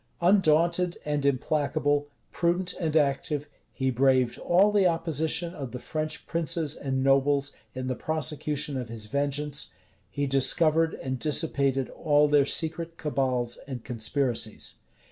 Undaunted and implacable, prudent and active, he braved all the opposition of the French princes and nobles in the prosecution of his vengeance; he discovered and dissipated all their secret cabals and conspiracies.